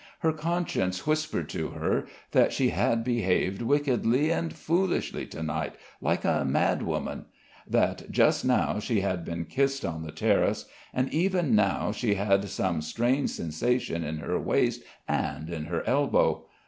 Her conscience whispered to her that she had behaved wickedly and foolishly to night, like a madwoman; that just now she had been kissed on the terrace, and even now she had some strange sensation in her waist and in her elbow.